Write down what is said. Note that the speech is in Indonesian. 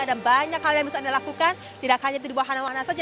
ada banyak hal yang bisa anda lakukan tidak hanya di wahana wahana saja